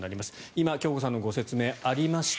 今、京子さんのご説明がありました